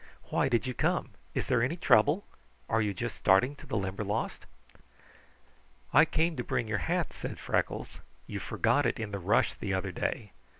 Why did you come? Is there any trouble? Are you just starting to the Limberlost?" "I came to bring your hat," said Freckles. "You forgot it in the rush the other day.